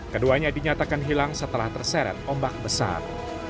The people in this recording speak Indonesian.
keduanya dinyatakan hilang setelah terseret ombak besar